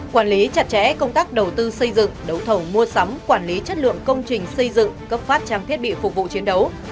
quản lý chặt chẽ công tác đầu tư xây dựng đấu thầu mua sắm quản lý chất lượng công trình xây dựng cấp phát trang thiết bị phục vụ chiến đấu